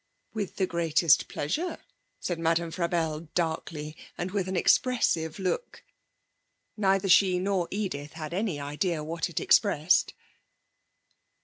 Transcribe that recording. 'With the greatest pleasure,' said Madame Frabelle darkly, and with an expressive look. (Neither she nor Edith had any idea what it expressed.)